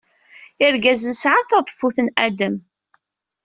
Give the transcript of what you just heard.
Irgazen sɛan taḍeffut n Adem.